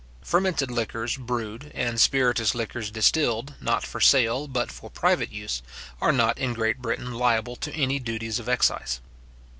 Fermented liquors brewed, and spiritous liquors distilled, not for sale, but for private use, are not in Great Britain liable to any duties of excise.